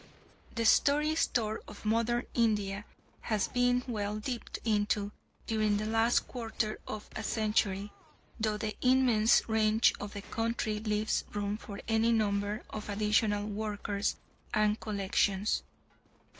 The story store of modern India has been well dipped into during the last quarter of a century, though the immense range of the country leaves room for any number of additional workers and collections.